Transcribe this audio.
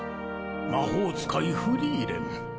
魔法使いフリーレン。